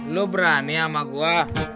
lu berani ama gua